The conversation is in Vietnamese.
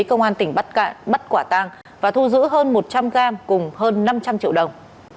công an tỉnh bắc cạn bắt quả tang và thu giữ hơn một trăm linh gram cùng hơn năm trăm linh triệu đồng